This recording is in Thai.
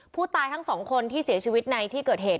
ทั้งสองคนที่เสียชีวิตในที่เกิดเหตุ